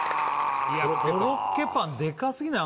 このコロッケパンデカすぎない？